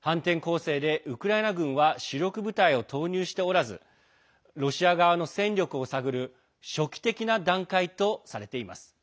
反転攻勢でウクライナ軍は主力部隊を投入しておらずロシア側の戦力を探る初期的な段階とされています。